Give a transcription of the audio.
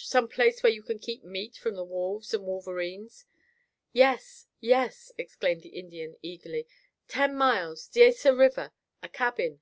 Some place where you can keep meat from the wolves and wolverines?" "Yes, yes!" exclaimed the Indian eagerly. "Ten miles. Diesa River, a cabin."